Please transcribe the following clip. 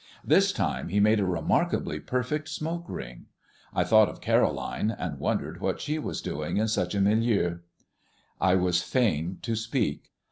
This time he made a remarkably perfect smoke ring. I thought of Caroline, and wondered what she was doing in such a milieu. I was fain to speak.